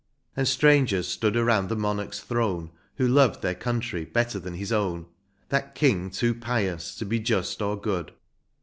And strangers stood around the monarch's throne. Who loved their country better than his own. That King too pious to be just or good.